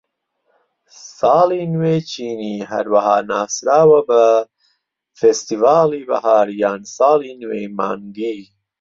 ساڵی نوێی چینی هەروەها ناسراوە بە فێستیڤاڵی بەهار یان ساڵی نوێی مانگی.